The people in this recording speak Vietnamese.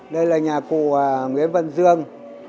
đây là nhà cụ nguyễn văn dương